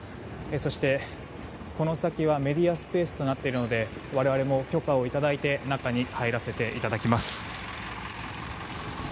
そしてこの先はメディアスペースとなっているので我々も許可をいただいて中に入らせていただきます。